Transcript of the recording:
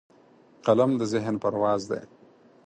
قلم د ذهن پرواز دی